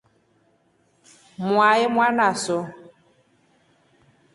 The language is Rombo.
Mwahe mwanaso.